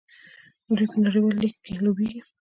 دوی په نړیوال لیګ کې لوبېږي.